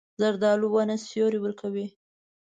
زردالو ونه سیوری ورکوي.